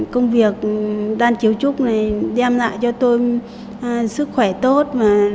công việc đan chiếu trúc này đem lại cho tôi sức khỏe tốt